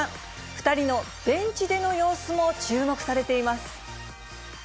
２人のベンチでの様子も注目されています。